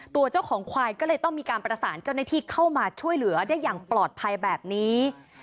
ตัวเจ้าของควายก็เลยต้องมีการประสานเจ้าหน้าที่เข้ามาช่วยเหลือได้อย่างปลอดภัยแบบนี้